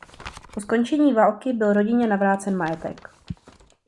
Po skončení války byl rodině navrácen majetek.